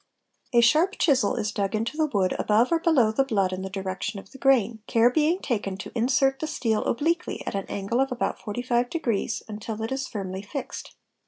A sharp chisel is dug into the wood above or below the blood in the direction of the grain, care being taken to insert the steel obliquely, at an angle of about 45°, until it is firmly fixed.